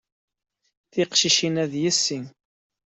Tiqcicin-a, d yessi.